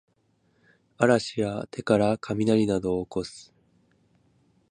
嵐や手からかみなりなどをおこす